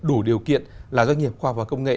đủ điều kiện là doanh nghiệp khoa học và công nghệ